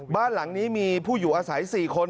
บ้านหลังนี้มีผู้อยู่อาศัย๔คน